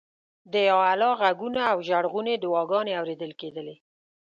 د یا الله غږونه او ژړغونې دعاګانې اورېدل کېدلې.